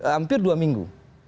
hampir dua minggu